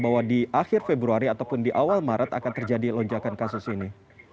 bahwa di akhir februari ataupun di awal maret akan terjadi lonjakan kasus ini